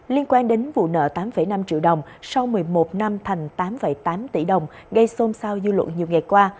liên quan đến vụ nợ tám năm triệu đồng sau một mươi một năm thành tám tám tỷ đồng gây xôn xao dư luận nhiều ngày qua